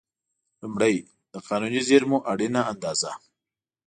لومړی: د قانوني زېرمو اړینه اندازه.